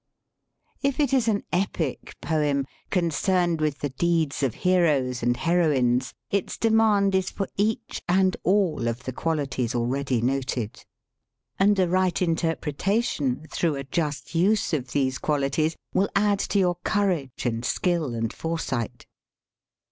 If it is an epic poem, concerned with the deeds of heroes and heroines, its demand is for each and all of the qualities already noted. And a right in terpretation, through a just use of these qualities, will add to your courage and skill and foresight.